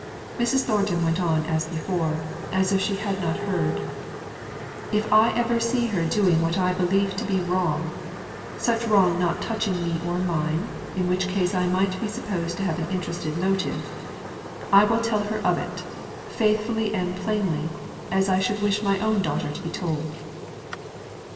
Mrs. Thornton went on as before; as if she had not heard: "If ever I see her doing what I believe to be wrong such wrong not touching me or mine, in which case I might be supposed to have an interested motive I will tell her of it, faithfully and plainly, as I should wish my own daughter to be told."